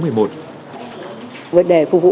vấn đề phục vụ